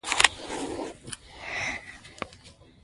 په افغانستان کې فاریاب شتون لري.